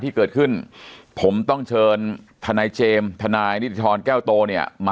ที่เกิดขึ้นผมต้องเชิญทนายเจมส์ทนายนิติธรแก้วโตเนี่ยมา